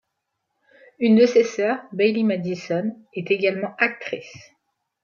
Une de ses sœurs, Bailee Madison, est également actrice.